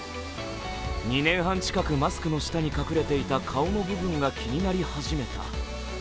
２年半近く、マスクの下に隠れていた顔の部分が気になり始めた、